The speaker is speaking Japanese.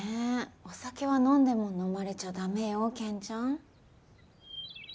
お酒は飲んでも飲まれちゃ駄目よ賢ちゃん。